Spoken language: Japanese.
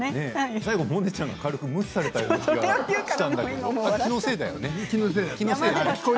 最後モネちゃんが無視されたような気がするんだけど気のせいだよね。